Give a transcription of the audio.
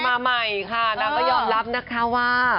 หน้าไฟมาใหม่ค่ะนับยอดรับนะคะว่า